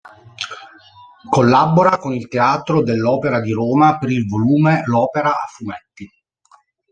Collabora con il Teatro dell'Opera di Roma per il volume "L'Opera a Fumetti".